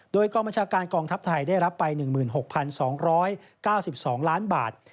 โดยกองบัญชาการกองทัพไทยได้รับไป๑๖๒๙๒ล้านบาท